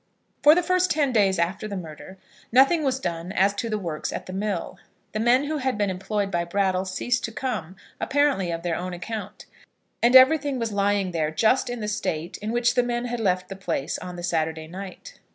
For the first ten days after the murder nothing was done as to the works at the mill. The men who had been employed by Brattle ceased to come, apparently of their own account, and everything was lying there just in the state in which the men had left the place on the Saturday night.